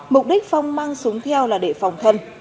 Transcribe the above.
mục đích phong mang súng theo là để phòng thân